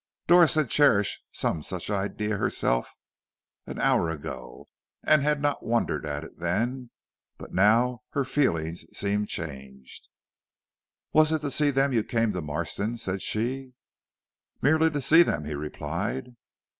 Doris had cherished some such idea herself an hour ago, and had not wondered at it then, but now her feelings seemed changed. "Was it to see them you came to Marston?" said she. "Merely to see them," he replied.